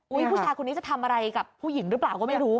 ผู้ชายคนนี้จะทำอะไรกับผู้หญิงหรือเปล่าก็ไม่รู้